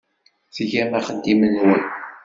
Tgam axeddim-nwen.